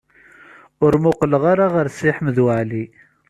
Ur muqleɣ ara ɣer Si Ḥmed Waɛli.